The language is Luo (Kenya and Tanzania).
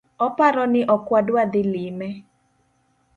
Oparo ni ok wadwa dhi lime